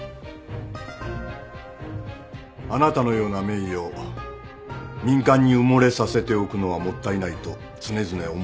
あなたのような名医を民間に埋もれさせておくのはもったいないと常々思っていたんです